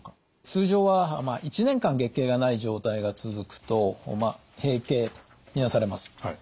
通常は１年間月経がない状態が続くとまあ閉経と見なされます。